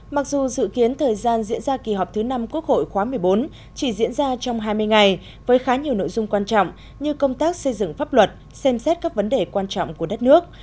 mặc dù dự kiến thời gian diễn ra kỳ họp thứ năm quốc hội khóa một mươi bốn chỉ diễn ra trong hai mươi ngày với khá nhiều nội dung quan trọng như công tác xây dựng pháp luật xem xét các vấn đề quan trọng của đất nước